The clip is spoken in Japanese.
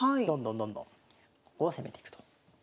どんどんどんどんここを攻めていくと。